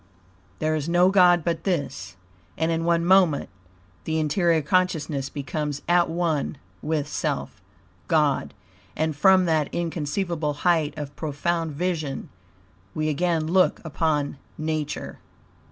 There is no God but this, and in one moment the interior consciousness becomes at one with self, God, and from that inconceivable height of profound vision we again look upon Nature.